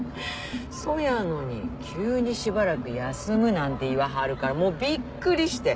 そやのに急にしばらく休むなんて言わはるからもうびっくりして。